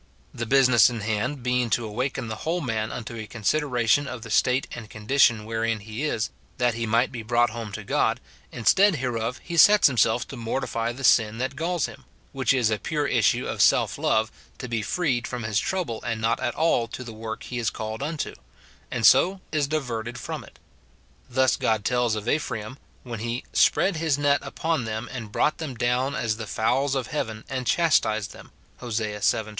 The business in hand being to awake the whole man unto a consideration of the state and condition wherein he is, that he might be brought home to God, instead hereof he sets himself to mortify the sin that galls him, — which is a pure issue of self love, to be freed from his trouble, and not at all to the work he is called unto, — and so is diverted from it. Thus God tells us of Ephraim, when he "spread his net upon them, and brought them down as the fowls of heaven, and chastised them," Hos. vii.